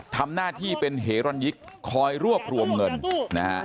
ทำหน้าที่เป็นเหรนยิกคอยรวบรวมเงินนะฮะ